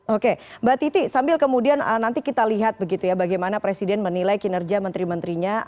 oke mbak titi sambil kemudian nanti kita lihat begitu ya bagaimana presiden menilai kinerja menteri menterinya